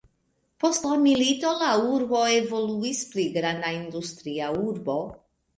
Post la milito la urbo evoluis pli granda industria urbo.